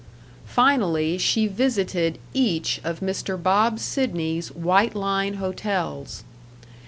Finally, she visited each of Mr. Bob Sidney's White Line Hotels.